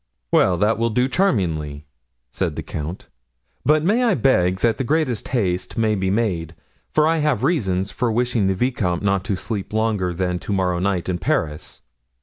"Well, that will do charmingly," said the count; "but may I beg that the greatest haste may be made, for I have reasons for wishing the vicomte not to sleep longer than to morrow night in Paris!"